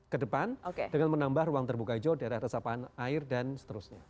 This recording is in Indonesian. kedepan dengan menambah ruang terbuka hijau daerah resapan air dan seterusnya